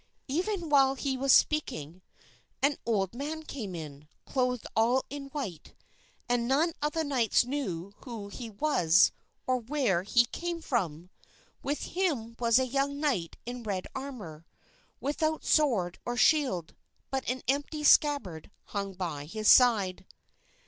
Even while he was speaking, an old man came in, clothed all in white; and none of the knights knew who he was or where he came from. With him was a young knight in red armor, without sword or shield; but an empty scabbard hung by his side.